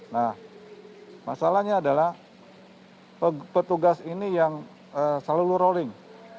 nah masalahnya adalah petugas ini yang selalu rolling